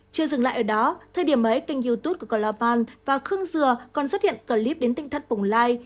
chưa dừng lại ở đó thời điểm ấy kênh youtube của carl mann và khương dừa còn xuất hiện clip đến tỉnh thất bồng lai